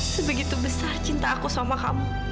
sebegitu besar cinta aku sama kamu